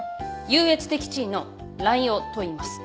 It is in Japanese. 優越的地位の濫用といいます。